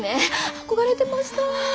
憧れてました。